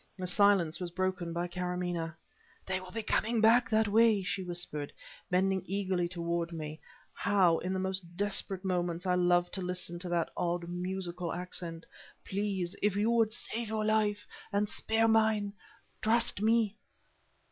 The silence was broken by Karamaneh. "They will be coming back that way!" she whispered, bending eagerly toward me. (How, in the most desperate moments, I loved to listen to that odd, musical accent!) "Please, if you would save your life, and spare mine, trust me!"